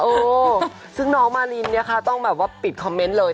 เออซึ่งน้องมารินเนี่ยค่ะต้องแบบว่าปิดคอมเมนต์เลย